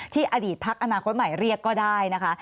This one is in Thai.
อดีตพักอนาคตใหม่เรียกก็ได้นะคะ